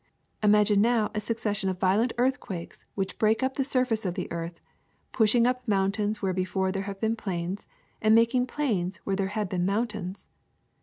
Imagine now a succession of violent earthquakes which break up the surface of the earth, pushing up mountains where before there have been plains, and making plains where there have been mountains.